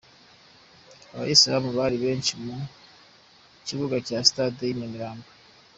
Abayisilamu bari benshi mu kibuga cya stade y'i Nyamirambo.